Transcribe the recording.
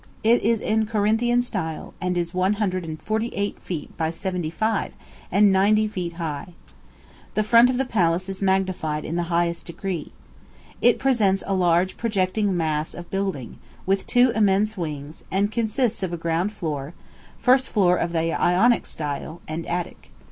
It is in Corinthian style, and is one hundred and forty eight feet by seventy five, and ninety feet high. The front of the palace is magnificent in the highest degree. "It presents a large projecting mass of building, with two immense wings, and consists of a ground floor, first floor of the Ionic style, and attic.